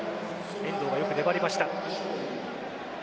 遠藤がよく粘りました。